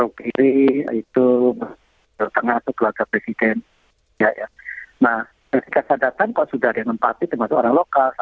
mereka dukur itu diundang